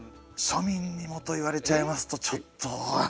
「庶民にも」と言われちゃいますとちょっと。